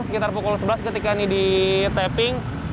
sekitar pukul sebelas ketika ini di tapping